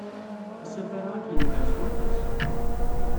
Asafar-a ad k-yenfeɛ s waṭas.